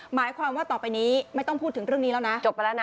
หมายความว่าต่อไปนี้ไม่ต้องพูดถึงเรื่องนี้แล้วนะ